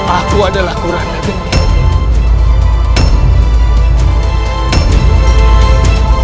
aku adalah kuranda geni